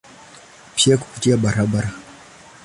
Pia kupitia barabara.